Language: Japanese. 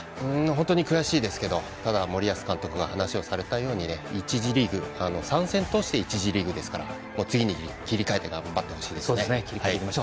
本当に悔しいですけどただ、森保監督が話されたように１次リーグ３戦通して、１次リーグですから次に切り替えて頑張ってほしいですね。